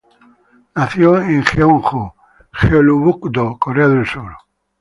Nació en Jeonju, Jeollabuk-do, Corea del Sur.